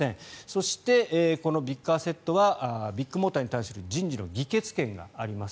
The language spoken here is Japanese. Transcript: そして、このビッグアセットはビッグモーターに対する人事の議決権があります。